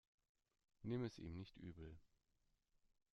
Nimm es ihm nicht übel.